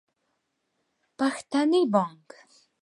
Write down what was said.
پښتني بانګ